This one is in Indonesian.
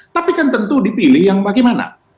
tapi kan tentu dipilih yang bagaimana